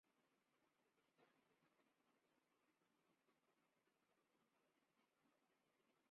দীর্ঘস্থায়ী প্রত্যাহার সিন্ড্রোম মাস, বছর, বা পৃথক কারণের উপর নির্ভর করে অনির্দিষ্টকালের জন্য স্থায়ী হতে পারে।